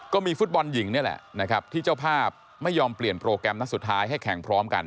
ก็มีฟุตบอลหญิงนี่แหละนะครับที่เจ้าภาพไม่ยอมเปลี่ยนโปรแกรมนัดสุดท้ายให้แข่งพร้อมกัน